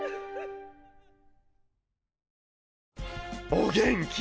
お元気？